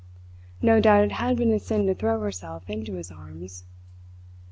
No doubt it had been a sin to throw herself into his arms.